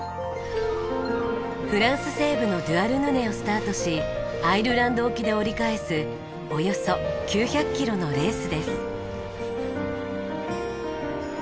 フランス西部のドゥアルヌネをスタートしアイルランド沖で折り返すおよそ９００キロのレースです。